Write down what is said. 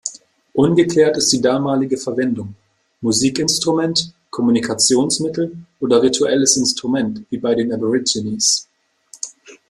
Ungeklärt ist die damalige Verwendung: Musikinstrument, Kommunikationsmittel oder rituelles Instrument, wie bei den Aborigines.